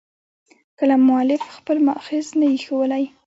کله مؤلف خپل مأخذ نه يي ښولى.